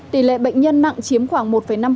tỉ lệ bệnh nhân nặng chiếm khoảng một năm